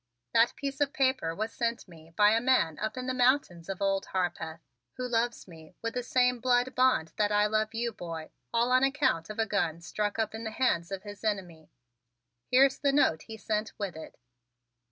That piece of paper was sent me by a man up in the mountains of Old Harpeth, who loves me with the same blood bond that I love you, boy, all on account of a gun struck up in the hands of his enemy. Here's the note he sent with it.